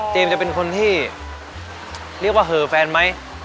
จะเป็นคนที่เรียกว่าเหอแฟนไหม